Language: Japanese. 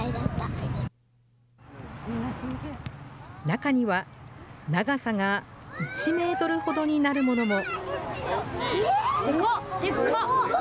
中には、長さが１メートルほどになるものも。